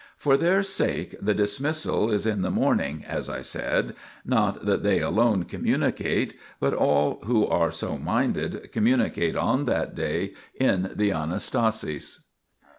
For their sake the dismissal is in the morn ing, as I said ; not that they alone communicate, but all who are so minded communicate on that day in the Anastasis.